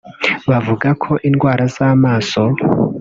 bavuga ko indwara z’amaso